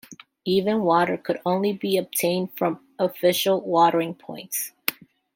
Even water could only be obtained from official watering points.